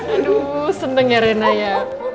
aduh seneng ya rena ya